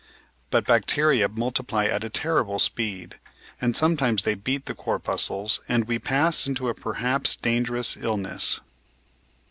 But bacteria multiply at a terrible speed, and sometimes they beat the corpuscles and we pass into a perhaps dangerous illness.